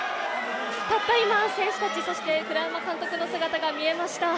たった今、選手たち、そして栗山監督の姿が見えました。